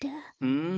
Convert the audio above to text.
うん。